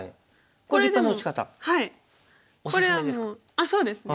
あっそうですね。